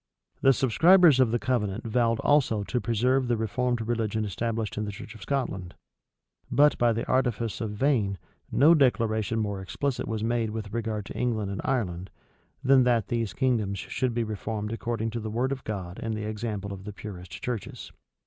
The subscribers of the covenant vowed also to preserve the reformed religion established in the church of Scotland; but, by the artifice of Vane, no declaration more explicit was made with regard to England and Ireland, than that these kingdoms should be reformed according to the word of God and the example of the purest churches.